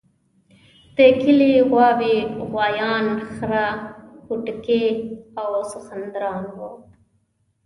د کلي غواوې، غوایان، خره کوټکي او سخوندران وو.